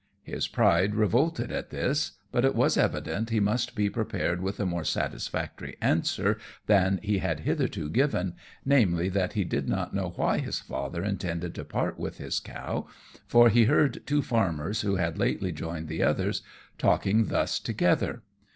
His pride revolted at this; but it was evident he must be prepared with a more satisfactory answer than he had hitherto given, namely, that he did not know why his father intended to part with his cow, for he heard two farmers, who had lately joined the others, talking thus together.